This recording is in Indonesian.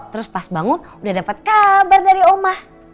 terus pas bangun udah dapat kabar dari oma